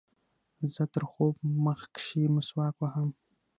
زه تر خوب مخکښي مسواک وهم.